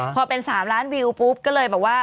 พอเป็น๓ล้านวิวปุ๊บก็เลยบอกว่า